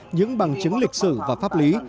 những bằng chứng lịch sử và pháp lý